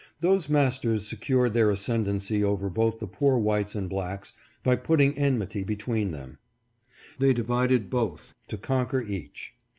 Those masters secured their ascendency over both the poor whites and blacks by putting enmity between them. They divided both to conquer each.